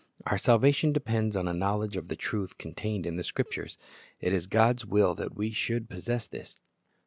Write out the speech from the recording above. Our salvation depends on a knowledge of the truth contained in the Scriptures. It is God's will that we should possess this.